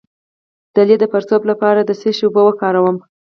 د لۍ د پړسوب لپاره د څه شي اوبه وکاروم؟